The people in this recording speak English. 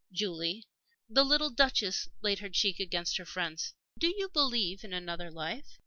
Julie" the little Duchess laid her cheek against her friend's "do you believe in another life?"